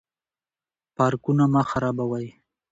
پارکونه مه خرابوئ.